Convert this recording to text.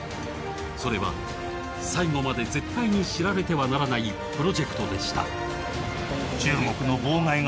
それは最後まで絶対に知られてはならないプロジェクトでした。